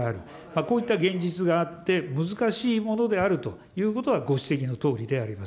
こういった現実があって、難しいものであるということはご指摘のとおりであります。